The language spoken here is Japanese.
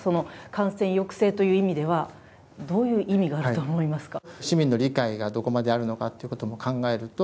感染抑制という意味では、どういう意味があると思いますか？